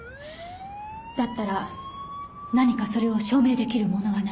だったら何かそれを証明できるものはない？